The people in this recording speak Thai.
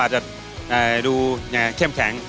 อาจจะดูเนี้ยเข้มแข็ง